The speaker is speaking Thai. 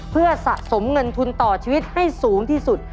เพื่อสะสมเงินทุนต่อชีวิตให้สูงที่สุด